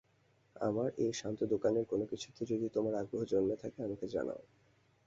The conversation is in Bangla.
আমার এই শান্ত দোকানের কোন কিছুতে যদি তোমার আগ্রহ জন্মে থাকে, আমাকে জানাও।